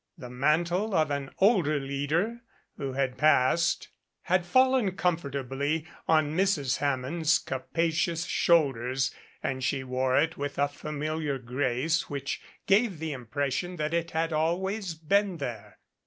The mantle of an older leader who had passed had fallen comfortably on Mrs. Hammond's capacious shoulders and she wore it with a familiar grace which gave the impres sion that it had always been there.